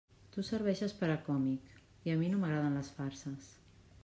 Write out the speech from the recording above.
Tu serveixes per a còmic, i a mi no m'agraden les farses.